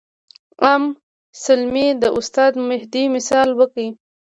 ام سلمې د استاد مهدي مثال ورکړ.